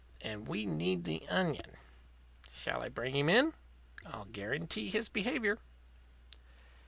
And we need the onion. Shall I bring him in? I'll guarantee his behavior."